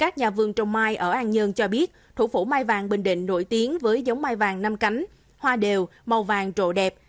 các nhà vườn trồng mai ở an dương cho biết thủ phủ mai vàng bình định nổi tiếng với giống mai vàng năm cánh hoa đều màu vàng trộn đẹp